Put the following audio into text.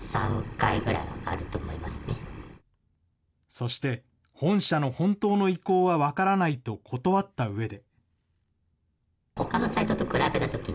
そして、本社の本当の意向は分からないと断ったうえで。